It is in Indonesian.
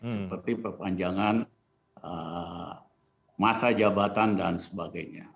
seperti perpanjangan masa jabatan dan sebagainya